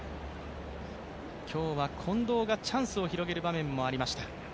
今日は近藤がチャンスを広げる場面もありました。